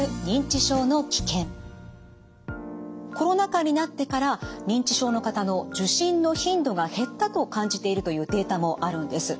コロナ禍になってから認知症の方の受診の頻度が減ったと感じているというデータもあるんです。